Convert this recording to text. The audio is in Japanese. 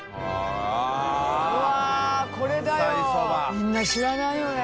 みんな知らないよね。